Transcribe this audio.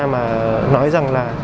mà nói rằng là